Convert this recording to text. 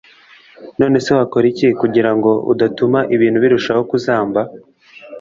none se wakora iki kugira ngo udatuma ibintu birushaho kuzamba